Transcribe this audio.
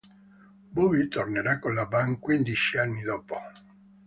Bobby tornerà con la band quindici anni dopo.